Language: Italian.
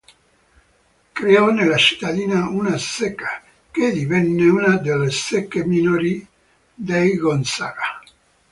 Creò nella cittadina una zecca, che divenne una delle zecche minori dei Gonzaga.